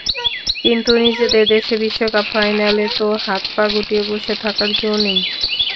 কিন্তু নিজেদের দেশে বিশ্বকাপ ফাইনালে তো হাত-পা গুটিয়ে বসে থাকার জো নেই।